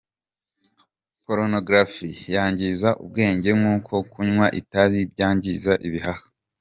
Porunogarafi yangiza ubwenge nk’uko kunywa itabi byangiza ibihaha.